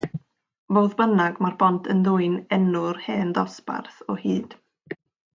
Fodd bynnag, mae'r bont yn dwyn enw'r hen ddosbarth o hyd.